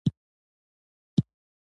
دوه افغان حاجیان مې ولیدل.